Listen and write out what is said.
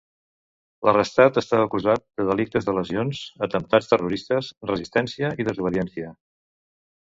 L'arrestat està acusat de delictes de lesions, atemptats terroristes, resistència i desobediència.